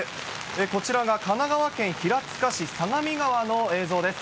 こちらが神奈川県平塚市相模川の映像です。